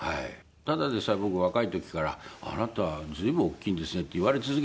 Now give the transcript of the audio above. ただでさえ僕若い時から「あなた随分大きいんですね」って言われ続けてきたんですよね。